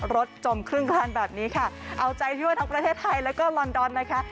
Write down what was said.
จมครึ่งคันแบบนี้ค่ะเอาใจช่วยทั้งประเทศไทยแล้วก็ลอนดอนนะคะ